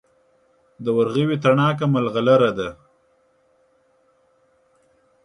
د ورغوي تڼاکه ملغلره ده.